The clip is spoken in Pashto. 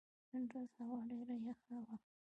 نن ورځ هوا ډېره یخه وه.